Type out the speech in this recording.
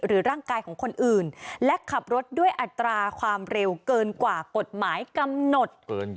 ร่างกายของคนอื่นและขับรถด้วยอัตราความเร็วเกินกว่ากฎหมายกำหนด